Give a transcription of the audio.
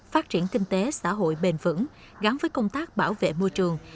phát triển kinh tế xã hội bền vững gắn với công tác bảo vệ môi trường